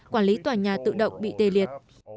quản lý tòa nhà tự động bị tê liệt